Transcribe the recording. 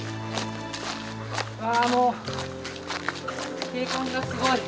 うわもう景観がすごい。